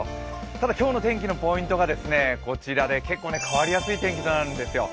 ただ今日の天気のポイントはこちらで結構変わりやすいお天気なんですよ。